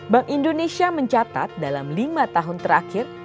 bank indonesia mencatat dalam lima tahun terakhir